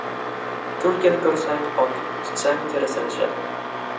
• Tulkini ko‘rsang — ot, tutsang — terisini shil.